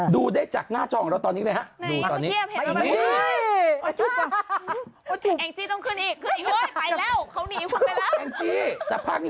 ดูได้จากหน้าจองตอนนี้